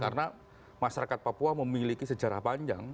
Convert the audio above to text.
karena masyarakat papua memiliki sejarah panjang